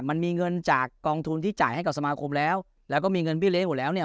มันมีเงินจากกองทุนที่จ่ายให้กับสมาคมแล้วแล้วก็มีเงินเบี้เล้หมดแล้วเนี่ย